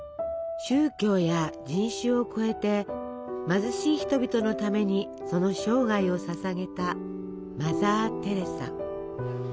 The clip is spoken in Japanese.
宗教や人種を超えて貧しい人々のためにその生涯をささげたマザー・テレサ。